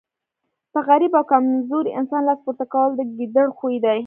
پر غریب او کمزوري انسان لاس پورته کول د ګیدړ خوی وو.